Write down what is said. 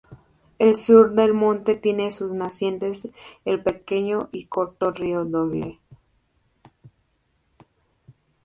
Al sur del monte tiene sus nacientes el pequeño y corto río Doyle.